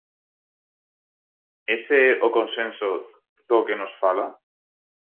¿Ese é o consenso do que nos fala?